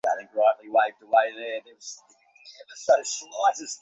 খালি পেটে মদ খাওয়া কী তোমার কাছে নিরাপদ মনে হচ্ছে?